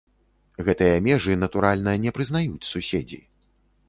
Гэтыя межы, натуральна, не прызнаюць суседзі.